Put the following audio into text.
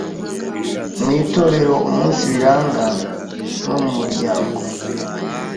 mu itorero, umunsi biranga ubumwe mu muryango